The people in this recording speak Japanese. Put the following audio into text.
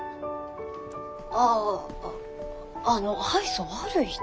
あああの愛想悪い人？